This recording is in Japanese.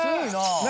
何？